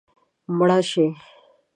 مړه شي